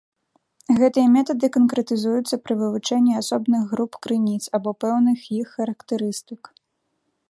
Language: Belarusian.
Гэтыя метады канкрэтызуюцца пры вывучэнні асобных груп крыніц, або пэўных іх характарыстык.